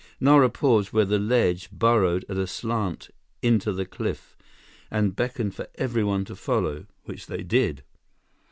Nara paused where the ledge burrowed at a slant into the cliff and beckoned for everyone to follow, which they did.